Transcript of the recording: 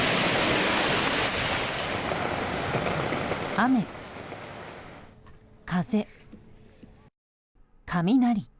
雨、風、雷。